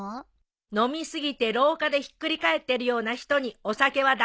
飲み過ぎて廊下でひっくり返ってるような人にお酒は出せません。